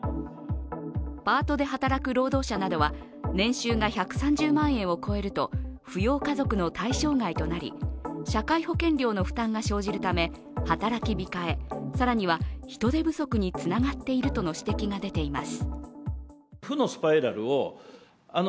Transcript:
パートで働く労働者などは年収が１３０万円を超えると扶養家族の対象外となり、社会保険料の負担が生じるため働き控え、更には人手不足につながっているとの指摘が出ています。